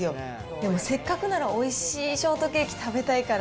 でもせっかくなら、おいしいショートケーキ食べたいから、